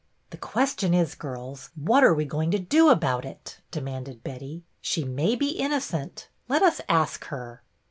" The question is, girls, what are we going to do about it ?" demanded Betty. " She may be innocent. Let us ask her."